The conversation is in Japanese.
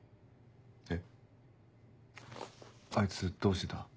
えっあいつどうしてた？